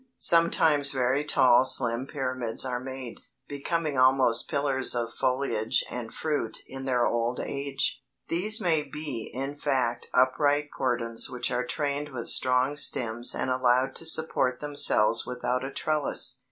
Sometimes very tall slim pyramids are made, becoming almost pillars of foliage and fruit in their old age. These may be in fact upright cordons which are trained with strong stems and allowed to support themselves without a trellis.